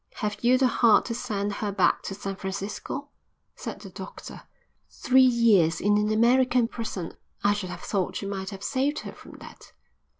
"Have you the heart to send her back to San Francisco?" said the doctor. "Three years in an American prison. I should have thought you might have saved her from that."